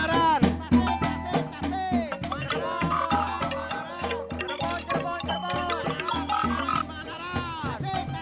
banaran banaran banaran